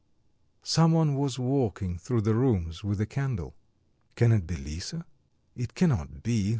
Some one was walking through the rooms with a candle. "Can it be Lisa? It cannot be."